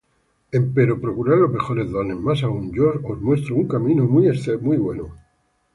Empero procurad los mejores dones; mas aun yo os muestro un camino más excelente.